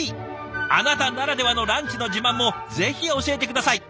あなたならではのランチの自慢もぜひ教えて下さい。